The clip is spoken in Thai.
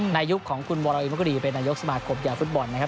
ในยุคของคุณวัลาอิมกุฎีเป็นนายกสมาธิกภูมิใหญ่ฟุตบอลนะครับ